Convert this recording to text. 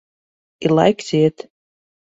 Ir laiks iet.